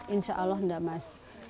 insya allah enggak mas